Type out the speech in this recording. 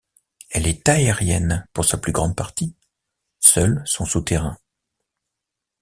Elle est aérienne pour sa plus grande partie, seuls sont souterrains.